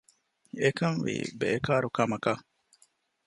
އެކަންވީ ބޭކާރު ކަމަކަށް